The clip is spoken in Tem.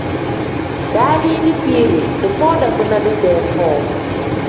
Daalii dikpiiri, dikpoo dagbina didee foo.